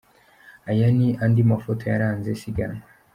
Aya ni andi mafoto yaranze isiganwa